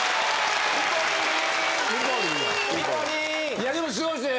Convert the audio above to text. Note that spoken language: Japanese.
いやでもすごいですよ。